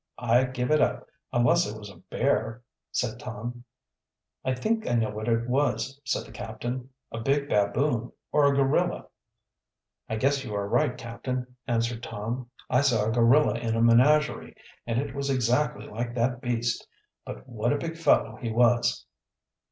"I give it up, unless it was a bear," said Tom. "I think I know what it was," said the captain. "A big baboon or a gorilla." "I guess you are right, captain," answered Tom. "I saw a gorilla in a menagerie, and it was exactly like that beast. But what a big fellow he was!"